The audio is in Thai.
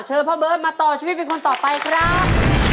พ่อเบิร์ตมาต่อชีวิตเป็นคนต่อไปครับ